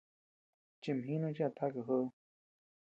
Chimjinu chi a taka jobed.